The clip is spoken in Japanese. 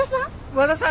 和田さん